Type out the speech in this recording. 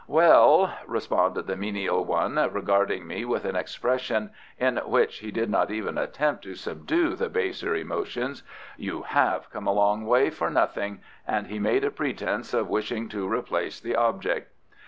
"Well," responded the menial one, regarding me with an expression in which he did not even attempt to subdue the baser emotions, "you HAVE come a long way for nothing"; and he made a pretence of wishing to replace the object.